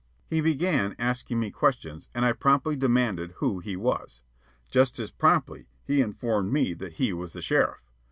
He began asking me questions, and I promptly demanded who he was. Just as promptly he informed me that he was the sheriff.